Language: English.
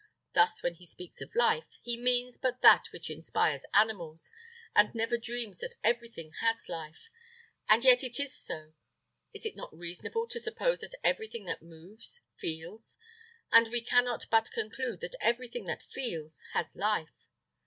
Thus, when he speaks of life, he means but that which inspires animals, and never dreams that everything has life; and yet it is so. Is it not reasonable to suppose that everything that moves feels? and we cannot but conclude that everything that feels has life.